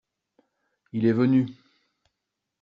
Il est venu.